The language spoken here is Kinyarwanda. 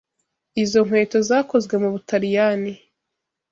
Izo nkweto zakozwe mu Butaliyani.